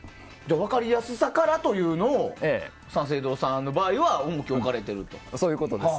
分かりやすさからというのを三省堂さんの場合は重きを置かれていると。